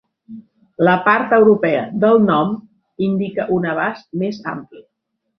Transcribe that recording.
La part "europea" del nom indica un abast més ampli.